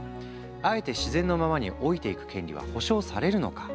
あえて自然のままに老いていく権利は保障されるのか？